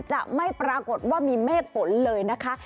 จะไม่ปรากฏว่ามีเมฆฝนเลยนะคะ